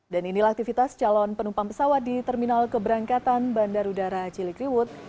dan inilah aktivitas calon penumpang pesawat di terminal keberangkatan bandar udara cilikriwut